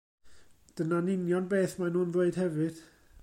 Dyna'n union beth maen nhw'n ddweud hefyd.